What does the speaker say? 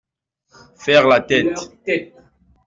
Faire la tête.